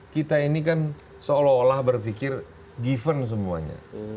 kita ini kan seolah olah berpikir given semuanya